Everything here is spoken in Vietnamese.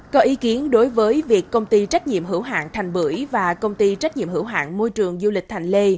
có ý kiến đối với việc công ty trách nhiệm hữu hạng thành bưởi và công ty trách nhiệm hữu hạng môi trường du lịch thành lê